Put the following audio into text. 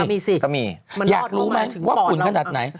ก็มีจะมีอยากรู้ไหมว่าขุนขนาดไหน